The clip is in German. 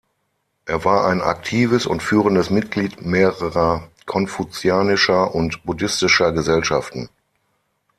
Er war ein aktives und führendes Mitglied mehrerer konfuzianischer und buddhistischer Gesellschaften.